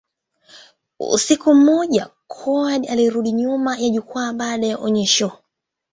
Usiku mmoja, Coward alirudi nyuma ya jukwaa baada ya onyesho.